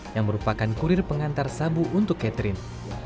yang merupakan kurir pengantar sabu untuk catherine